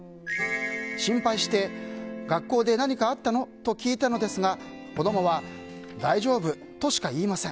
心配して、学校で何かあったの？と聞いたのですが子供は大丈夫としか言いません。